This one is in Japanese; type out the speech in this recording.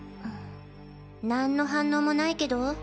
何の反応もないけど？